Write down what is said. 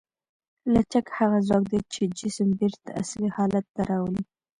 لچک هغه ځواک دی چې جسم بېرته اصلي حالت ته راولي.